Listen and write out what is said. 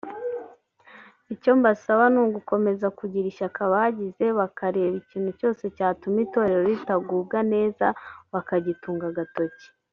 Icyo mbasaba ni ugukomeza kugira ishyaka bagize bakareba ikintu cyose cyatuma itorero ritagubwa neza bakagitunga agatoki